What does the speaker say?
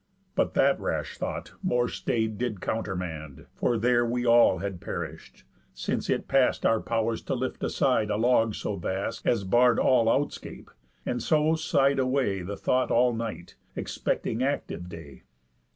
But that rash thought, more stay'd, did countermand, For there we all had perish'd, since it past Our pow'rs to lift aside a log so vast, As barr'd all outscape; and so sigh'd away The thought all night, expecting active day.